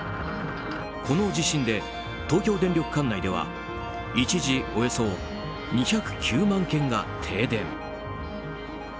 この地震で東京電力管内では一時およそ２０９万軒が停電。